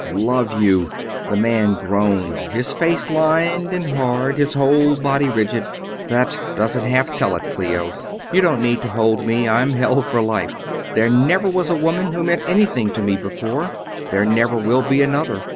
"Love you!" the man groaned, his face lined and hard, his whole body rigid. "That doesn't half tell it, Clio. You don't need to hold me I'm held for life. There never was a woman who meant anything to me before, and there never will be another.